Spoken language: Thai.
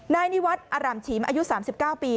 นายนิวัตรอร่ำฉีมอายุ๓๙ปี